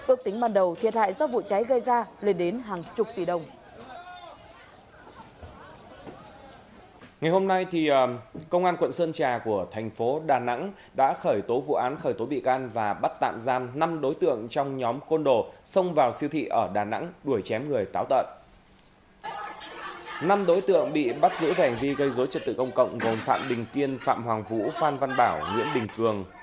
ước tính ban đầu thiệt hại do vụ cháy gây ra lên đến hàng chục tỷ đồng